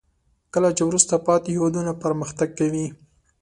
کله چې وروسته پاتې هیوادونه پرمختګ کوي.